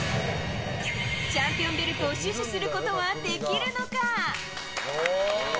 チャンピオンベルトを死守することはできるのか？